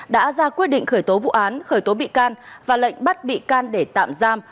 đã ra quyết định khởi tố vụ án khởi tố bị can và lệnh bắt bị can để tạm giam